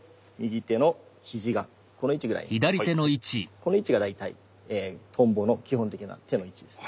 この位置が大体「蜻蛉」の基本的な手の位置ですね。